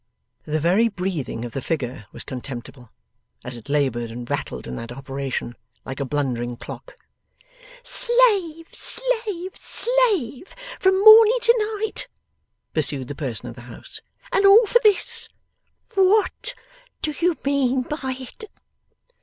The very breathing of the figure was contemptible, as it laboured and rattled in that operation, like a blundering clock. 'Slave, slave, slave, from morning to night,' pursued the person of the house, 'and all for this! WHAT do you mean by it?